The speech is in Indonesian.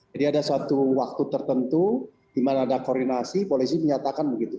jadi ada suatu waktu tertentu di mana ada koordinasi polisi menyatakan begitu